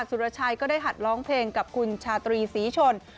สุรชัยก็ได้หัดร้องเพลงกับคุณชาตรีศรีชน